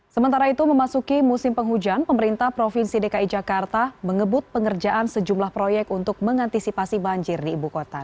sementara itu memasuki musim penghujan pemerintah provinsi dki jakarta mengebut pengerjaan sejumlah proyek untuk mengantisipasi banjir di ibu kota